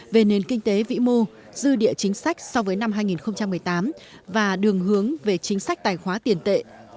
về nền kinh tế vĩ mô dư địa chính sách so với năm hai nghìn một mươi tám và đường hướng về chính sách tài khóa tiền tệ